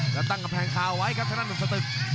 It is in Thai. แล้วตั้งกับแห่งขาวไว้ครับทางนั้นหลุมสตึก